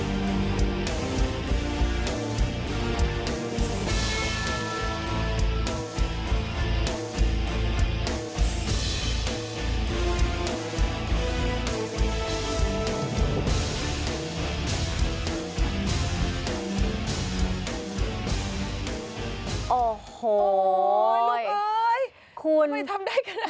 ไม่ทำได้ขนาดนี้